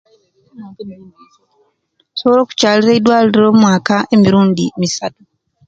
Nsobola okukyalira eidwaliro omwaka emirundi isatu